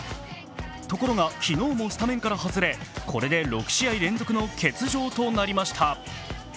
ところが、昨日もスタメンから外れこれで６試合連続の欠場となりました。